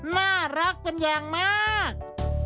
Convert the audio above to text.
น่ารักเป็นอย่างมาก